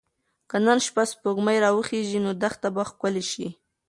که نن شپه سپوږمۍ راوخیژي نو دښته به ښکلې شي.